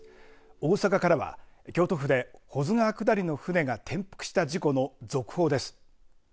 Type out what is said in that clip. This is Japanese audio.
大阪からは、京都府で保津川下りの舟が転覆した事故の続報です。